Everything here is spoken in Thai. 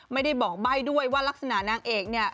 ไม่ได้บอกใบ้ด้วยว่ารักษณะนางเอกเนี่ย